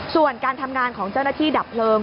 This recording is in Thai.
ส่วนการทำงานของเจ้าหน้าที่ดับเพลิง